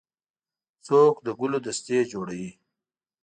څوک د ګلو دستې جوړوي.